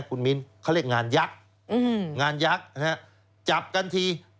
คุณมิ้นเขาเรียกงานยักษ์งานยักษ์จับกันที